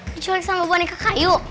diculik sama boneka kayu